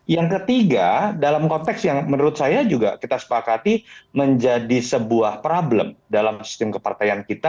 yang ketiga dalam konteks yang menurut saya juga kita sepakati menjadi sebuah problem dalam sistem kepartaian kita